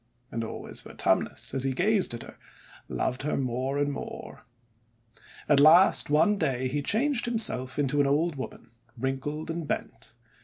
And always Vertumnus, as he gazed at her, loved her more and more. At last, one day, he changed himself into an old woman, wrinkled and bent.